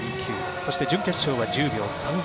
そして準決勝、１０秒３０。